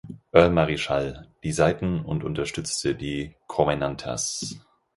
Earl Marischal, die Seiten und unterstützte die Covenanters.